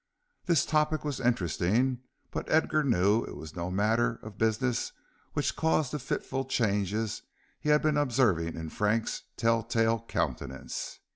This topic was interesting, but Edgar knew it was no matter of business which had caused the fitful changes he had been observing in Frank's tell tale countenance.